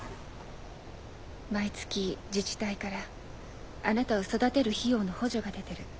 毎月自治体からあなたを育てる費用の補助が出てる。